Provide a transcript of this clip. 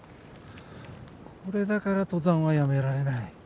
これだから登山はやめられない。